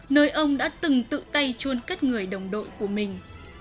nơi ông đã từng tự tay trôn cất người đồng đội của mình